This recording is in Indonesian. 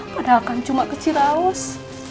padahal kan cuma ke ciraos